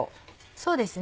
そうですね